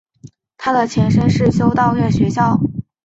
它的前身是修道院学校。